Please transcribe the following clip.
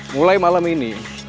mulai malam ini